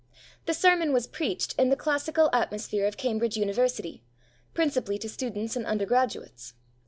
The sermon was preached in the classical atmosphere of Cambridge University, principally to students and undergraduates.